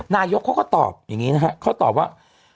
นายกเขาก็ตอบอย่างนี้นะฮะเขาตอบว่า